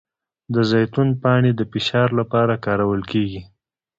د زیتون پاڼې د فشار لپاره کارول کیږي؟